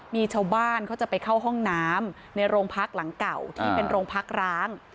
มีชาวบ้านเขาจะไปเข้าห้องน้ำในโรงพักหลังเก่าที่เป็นโรงพักร้าง